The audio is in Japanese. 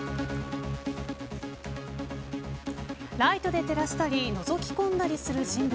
ライトで照らしたりのぞき込んだりする人物。